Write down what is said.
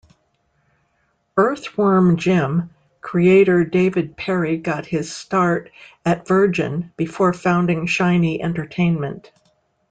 "Earthworm Jim" creator David Perry got his start at Virgin before founding Shiny Entertainment.